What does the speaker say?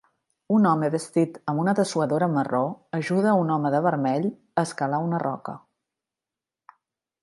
Un home vestit amb una dessuadora marró ajuda a un home de vermell a escalar una roca.